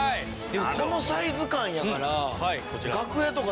でもこのサイズ感やから。